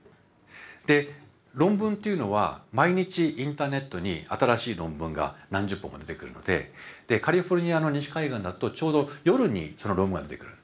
で論文っていうのは毎日インターネットに新しい論文が何十本も出てくるのでカリフォルニアの西海岸だとちょうど夜にその論文が出てくる。